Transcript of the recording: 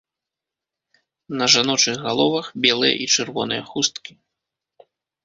На жаночых галовах белыя і чырвоныя хусткі.